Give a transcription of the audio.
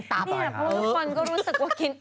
พวกทุกคนก็รู้สึกว่ากิน